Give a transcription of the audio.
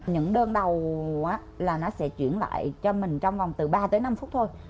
những đơn đầu là nó sẽ chuyển lại cho mình trong vòng từ ba tới năm phút thôi